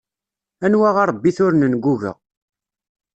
Anwa arebit ur nenguga.